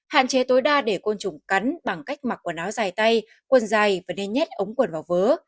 một hạn chế tối đa để côn trùng cắn bằng cách mặc quần áo dài tay quần dài và nên nhét ống quần vào vớ